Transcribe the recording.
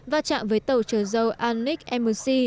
va chạm với tàu trở dầu alnick mlc